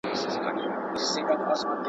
جنګونه د هیوادونو د ویجاړۍ لامل دي.